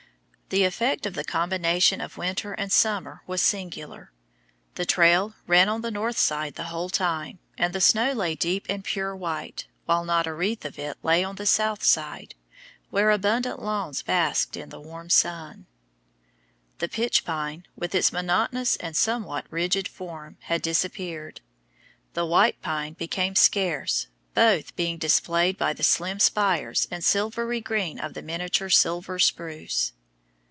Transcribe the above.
The effect of the combination of winter and summer was singular. The trail ran on the north side the whole time, and the snow lay deep and pure white, while not a wreath of it lay on the south side, where abundant lawns basked in the warm sun. The pitch pine, with its monotonous and somewhat rigid form, had disappeared; the white pine became scarce, both being displayed by the slim spires and silvery green of the miniature silver spruce.